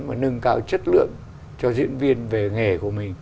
và nâng cao chất lượng cho diễn viên về nghề của mình